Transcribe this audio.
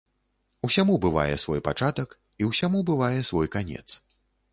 Усяму бывае свой пачатак, і ўсяму бывае свой канец.